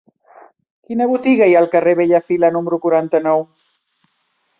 Quina botiga hi ha al carrer de Bellafila número quaranta-nou?